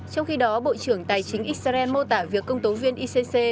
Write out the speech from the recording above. trong khi đó bộ trưởng tài chính israel mô tả việc công tố viên icc